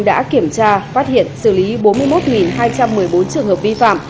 đã kiểm tra phát hiện xử lý bốn mươi một hai trăm một mươi bốn trường hợp vi phạm